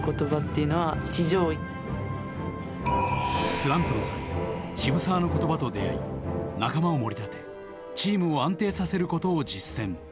スランプの際渋沢の言葉と出会い仲間をもり立てチームを安定させることを実践。